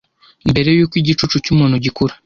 Mbere yuko igicucu cyumuntu gikura